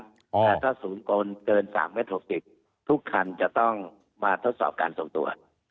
และถ้าสูงโกนเกิน๓๖๐เมตรทุกคันจะต้องมาทดสอบการส่งตัว